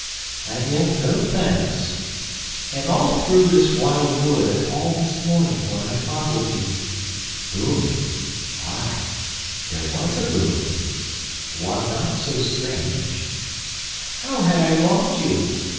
And yet no thanks: and all through this wild wood And all this morning when I fondled you: Boon, ay, there was a boon, one not so strange— How had I wronged you?